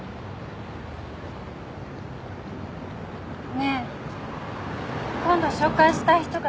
ねえ今度紹介したい人がいる。